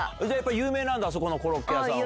有名なんだそこのコロッケ屋は。